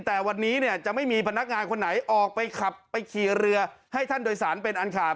แต่วันนี้เนี่ยจะไม่มีพนักงานคนไหนออกไปขับไปขี่เรือให้ท่านโดยสารเป็นอันขาด